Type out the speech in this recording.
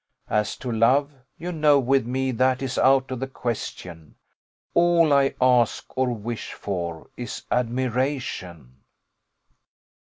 As to love, you know with me that is out of the question; all I ask or wish for is admiration."